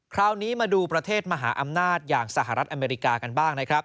คราวนี้มาดูประเทศมหาอำนาจอย่างสหรัฐอเมริกากันบ้างนะครับ